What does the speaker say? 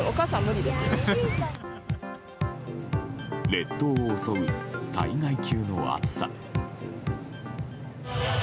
列島を襲う災害級の暑さ。